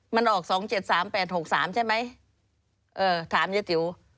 มันออก๒๗๓๘๖๓ใช่ไหมถามยายติ๋ว